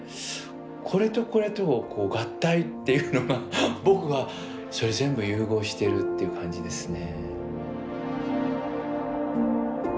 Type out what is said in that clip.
これとこれとをこう合体っていうのが僕はそれ全部融合してるっていう感じですね。